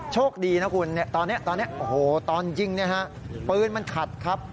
โชคดีนะคุณตอนนี้โอ้โหตอนยิงปืนมันขัดครับ